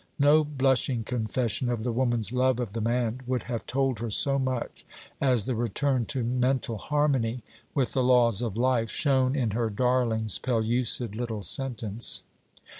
No blushing confession of the woman's love of the man would have told her so much as the return to mental harmony with the laws of life shown in her darling's pellucid little sentence.